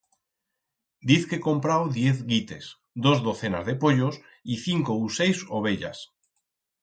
Diz que comprau diez guites, dos docenas de pollos y cinco u seis ovellas.